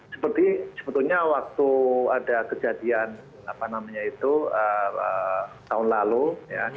seperti sebetulnya waktu ada kejadian apa namanya itu tahun lalu ya